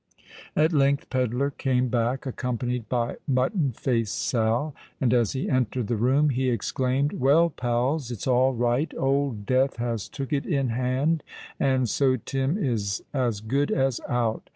At length Pedler came back, accompanied by Mutton Face Sal; and, as he entered the room, he exclaimed, "Well, pals, it's all right! Old Death has took it in hand—and so Tim is as good as out.